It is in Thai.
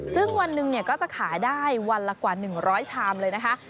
ซึ่งวันหนึ่งก็จะขายได้วันละกว่า๑๐๐ชามเลยนะคะ